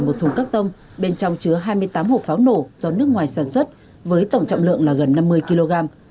một thùng các tông bên trong chứa hai mươi tám hộp pháo nổ do nước ngoài sản xuất với tổng trọng lượng là gần năm mươi kg